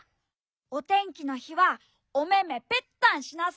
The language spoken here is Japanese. おてんきのひはおめめペッタンしなさいって。